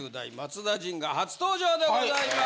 が初登場でございます。